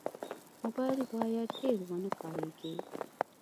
موبایل باید ډېر ونه کارېږي.